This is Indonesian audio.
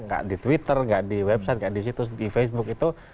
tidak di twitter tidak di website tidak di situs di facebook